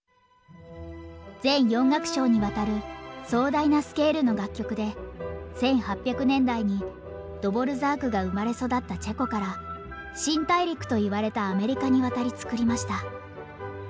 全４楽章にわたる壮大なスケールの楽曲で１８００年代にドヴォルザークが生まれ育ったチェコから新大陸と言われたアメリカに渡り作りました。